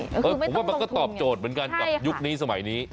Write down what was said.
ใช่คือไม่ต้องลงทุนเออผมว่ามันก็ตอบโจทย์เหมือนกันกับยุคนี้สมัยนี้